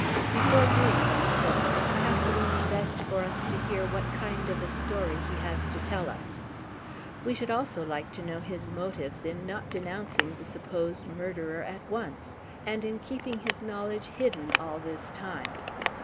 "Before doing that," said I, "perhaps it would be best for us to hear what kind of a story he has to tell us. We should also like to know his motives in not denouncing the supposed murderer at once, and in keeping his knowledge hidden all this time."